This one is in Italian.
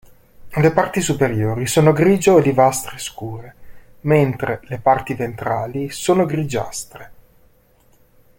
Le parti superiori sono grigio-olivastre scure, mentre le parti ventrali sono grigiastre.